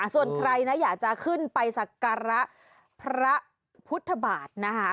ส่วนใครนะอยากจะขึ้นไปสักการะพระพุทธบาทนะคะ